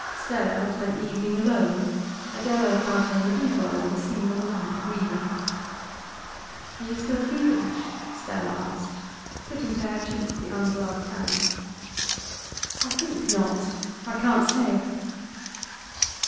Stella had spent the evening alone; Adela found her in the boudoir with a single lamp, reading. 'Are you still feverish?' Stella asked, putting to her cheek the ungloved hand. 'I think not I can't say.